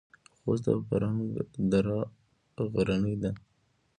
خوست او فرنګ دره غرنۍ ده؟